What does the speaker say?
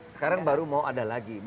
sekarang baru mau ada lagi